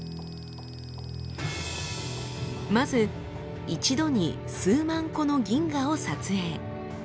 まず一度に数万個の銀河を撮影。